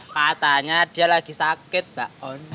katanya dia lagi sakit mbak